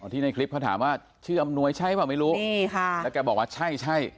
ที่ในคลิปเขาถามว่าชื่ออำนวยใช่เปล่าไม่รู้นี่ค่ะแล้วแกบอกว่าใช่ใช่